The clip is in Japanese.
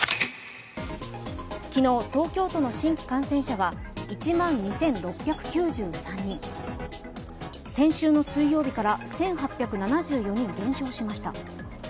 昨日、東京都の新規感染者は１万２６９３人、先週の水曜日から１８７４人減少しました。